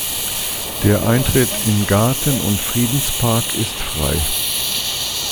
Der Eintritt in Garten und Friedenspark ist frei.